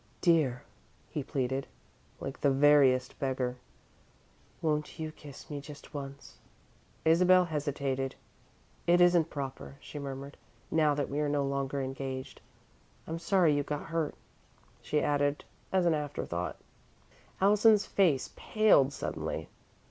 "Dear," he pleaded, like the veriest beggar; "won't you kiss me just once?" Isabel hesitated. "It isn't proper," she murmured, "now that we are no longer engaged. I'm sorry you got hurt," she added, as an afterthought. Allison's face paled suddenly.